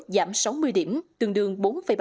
giảm sáu mươi điểm tương đương bốn bảy